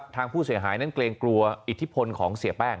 ทางผู้เสียหายนั้นเกรงกลัวอิทธิพลของเสียแป้ง